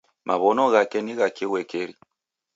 Maw'ono ghake ni ghake uekeri